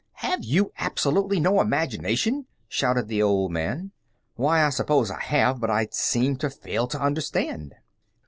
"Have you absolutely no imagination?" shouted the old man. "Why, I suppose I have, but I seem to fail to understand."